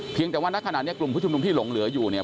แต่ว่านักขณะนี้กลุ่มผู้ชุมนุมที่หลงเหลืออยู่เนี่ย